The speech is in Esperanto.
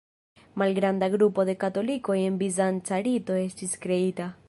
Malgranda grupo de katolikoj de bizanca rito estis kreita.